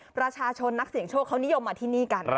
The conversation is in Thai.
ประชาชนนักเสี่ยงโชคเขานิยมมาที่นี่กัน